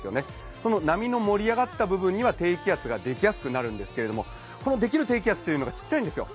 その波の盛り上がった部分には低気圧ができやすくなるんですがそのできる低気圧というのが小さいんですよ。